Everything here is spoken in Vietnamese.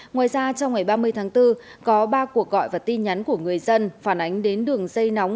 ngoài ra trong ngày ba mươi tháng bốn có ba cuộc gọi và tin nhắn của người dân phản ánh đến đường dây nóng